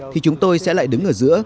thì chúng tôi sẽ lại đứng ở giữa